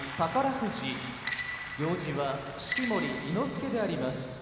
富士行司は式守伊之助であります。